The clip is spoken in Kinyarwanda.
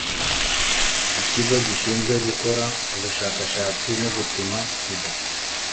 ikigo gishinzwe gukora ubushakashatsi no gupima sida